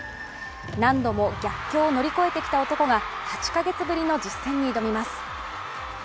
何度も逆境を乗り越えてきた男が８カ月ぶりの実戦に挑みます。